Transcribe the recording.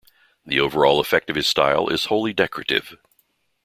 The overall effect of his style is wholly decorative.